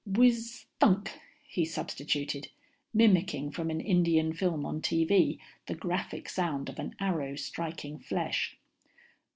"Wizz_thunk_," he substituted, mimicking from an Indian film on TV the graphic sound of an arrow striking flesh.